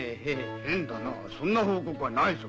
変だなそんな報告はないぞ。